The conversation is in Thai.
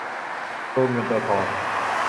ตัวเงินตัวทอง